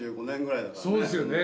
そうですよね。